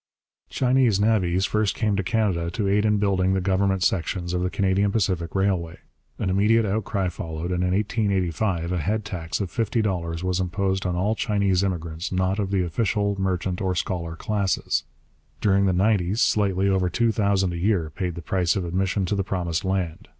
Chinese navvies first came to Canada to aid in building the government sections of the Canadian Pacific Railway. An immediate outcry followed, and in 1885 a head tax of $50 was imposed on all Chinese immigrants not of the official, merchant, or scholar classes. During the nineties slightly over two thousand a year paid the price of admission to the Promised Land.